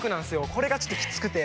これが、ちょっときつくて。